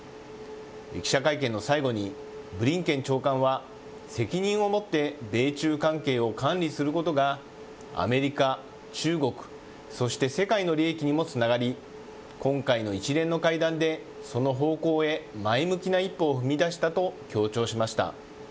記者会見の最後に、ブリンケン長官は、責任を持って米中関係を管理することが、アメリカ、中国、そして世界の利益にもつながり、今回の一連の会談で、その方向へ前向きな一歩を踏み出したと強調しました。